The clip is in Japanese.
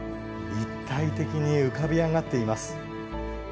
立体的に浮かび上がっています。